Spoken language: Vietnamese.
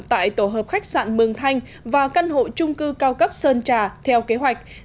tại tổ hợp khách sạn mường thanh và căn hộ trung cư cao cấp sơn trà theo kế hoạch